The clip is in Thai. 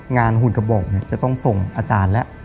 งานหุ่นกระบองเนี่ยจะต้องส่งอาจารย์แล้ว